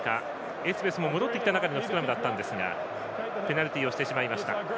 エツベスも戻ってきた中でのスクラムだったのですがペナルティーをしてしまいました。